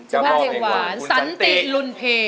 ภาพเพลงหวานสันติลุนเพ